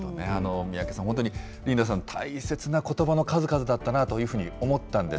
三宅さん、本当に、リンダさん、大切なことばの数々だったなぁというふうに思ったんです。